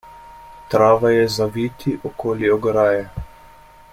Trava je zaviti okoli ograje.